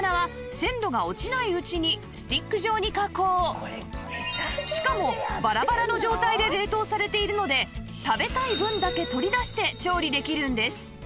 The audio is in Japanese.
さらに水揚げされた魚はしかもバラバラの状態で冷凍されているので食べたい分だけ取り出して調理できるんです